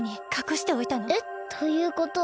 えっということは。